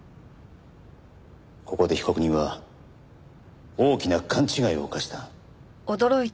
ここで被告人は大きな勘違いを犯した。